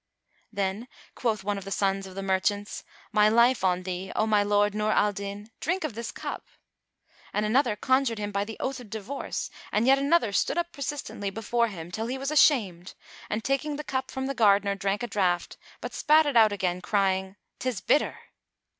'" Then quoth one of the sons of the merchants, "My life on thee, O my lord Nur al Din, drink of this cup!" And another conjured him by the oath of divorce and yet another stood up persistently before him, till he was ashamed and taking the cup from the gardener, drank a draught, but spat it out again, crying, "'Tis bitter."